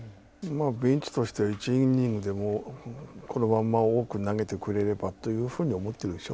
ベンチとして、１イニングでもこのまま多く投げてくれればっていうふうに思ってるでしょ。